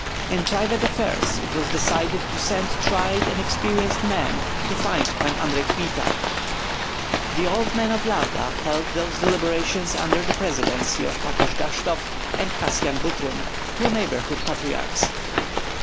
In private affairs it was decided to send tried and experienced men to find Pan Andrei Kmita. The old men of Lauda held these deliberations under the presidency of Pakosh Gashtovt and Kassyan Butrym, two neighborhood patriarchs.